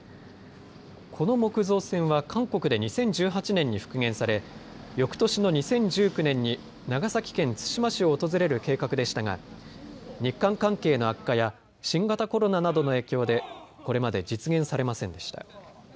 この木造船は韓国で２０１８年に復元され、よくとしの２０１９年に長崎県対馬市を訪れる計画でしたが日韓関係の悪化や新型コロナなどの影響でこれまで実現されませんでした。